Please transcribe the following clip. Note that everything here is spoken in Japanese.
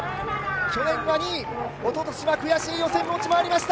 去年は２位、おととしは悔しい予選落ちもありました。